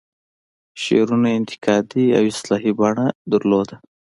شعرونو یې انتقادي او اصلاحي بڼه درلوده.